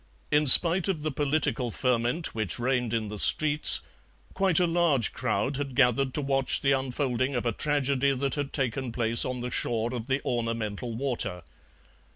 In spite of the political ferment which reigned in the streets, quite a large crowd had gathered to watch the unfolding of a tragedy that had taken place on the shore of the ornamental water.